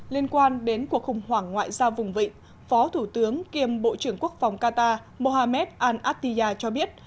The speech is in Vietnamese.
liên quan đến cuộc khủng hoảng ngoại giao vùng vịnh phó thủ tướng kiêm bộ trưởng quốc phòng qatar mohammed al attiya cho biết